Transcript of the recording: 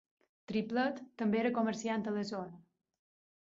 Triplett també era comerciant a la zona.